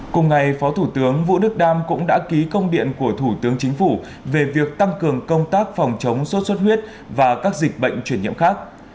cùng ngày phó thủ tướng vũ đức đam cũng đã ký công điện của thủ tướng chính phủ về việc tăng cường công tác phòng chống sốt xuất huyết và các dịch bệnh chuyển nhiễm khác